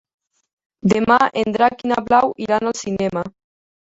Demà en Drac i na Blau iran al cinema.